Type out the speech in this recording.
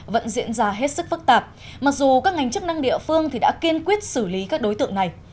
vẫn diễn ra hết sức phức tạp mặc dù các ngành chức năng địa phương đã kiên quyết xử lý các đối tượng này